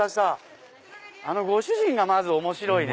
ご主人がまず面白いね。